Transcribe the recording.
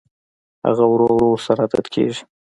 هغه ورو ورو ورسره عادت کېږي